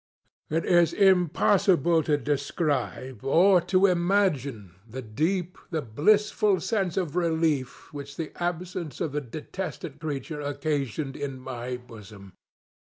It is impossible to describe, or to imagine, the deep, the blissful sense of relief which the absence of the detested creature occasioned in my bosom.